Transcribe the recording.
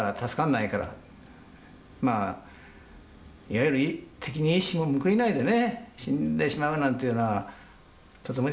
まあいわゆる敵に一矢報いないでね死んでしまうなんていうのはとてもじゃないですからね。